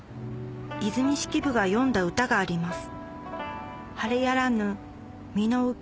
和泉式部が詠んだ歌があります